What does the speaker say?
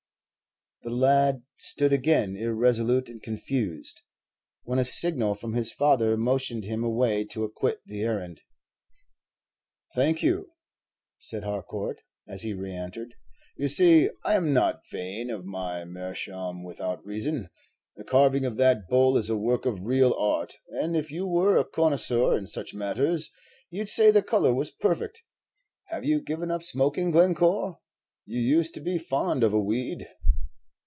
The lad stood again irresolute and confused, when a signal from his father motioned him away to acquit the errand. "Thank you," said Harcourt, as he re entered; "you see I am not vain of my meerschaum without reason. The carving of that bull is a work of real art; and if you were a connoisseur in such matters, you 'd say the color was perfect. Have you given up smoking, Glencore? you used to be fond of a weed."